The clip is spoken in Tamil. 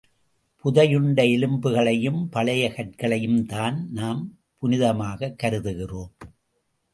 புதையுண்ட எலும்புகளையும் பழைய கற்களையும்தான் நாம் புனிதமாகக் கருதுகிறோம்.